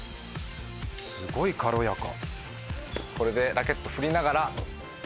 すごい軽やか。